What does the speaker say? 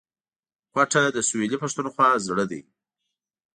کوټه د سویلي پښتونخوا زړه دی